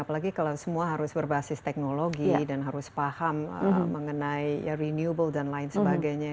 apalagi kalau semua harus berbasis teknologi dan harus paham mengenai ya renewable dan lain sebagainya